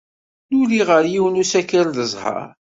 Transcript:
Nuli ɣer yiwen n usakal d zzheṛ.